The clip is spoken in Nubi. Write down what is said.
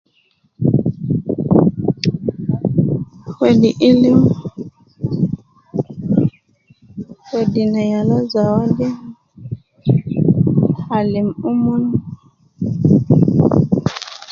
Wedi ilim, wedi ne yala zawadi, alim umon.